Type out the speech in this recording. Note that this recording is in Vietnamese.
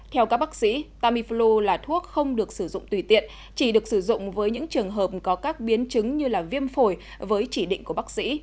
theo các bác sĩ tamiflu là thuốc không được sử dụng tùy tiện chỉ được sử dụng với những trường hợp có các biến chứng như viêm phổi với chỉ định của bác sĩ